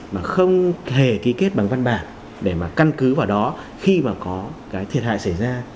mà không hề ký kết bằng văn bản để mà căn cứ vào đó khi mà có cái thiệt hại xảy ra